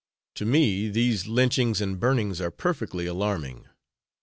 To me these lynchings and burnings are perfectly alarming.